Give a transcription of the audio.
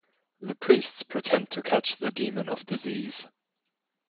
The priests pretend to catch the demon of disease.